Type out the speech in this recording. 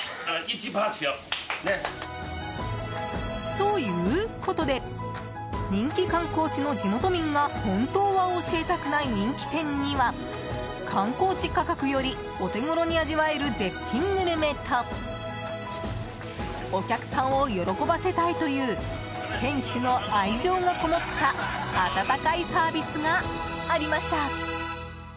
ということで人気観光地の地元民が本当は教えたくない人気店には観光地価格よりお手ごろに味わえる絶品グルメとお客さんを喜ばせたいという店主の愛情がこもった温かいサービスがありました。